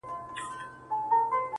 نور به نو څه وکړي مرگی تاته رسوا به سم،